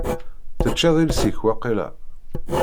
Teččiḍ iles-ik waqila?